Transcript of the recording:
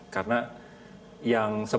karena yang sebelum sebelumnya itu ada di garuda